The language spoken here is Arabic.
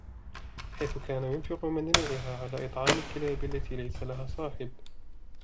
حيث كان يُنفق من رَيعها على إطعام الكلاب التي ليس لها صاحب